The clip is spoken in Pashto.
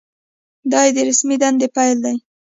دا یې د رسمي دندې پیل دی.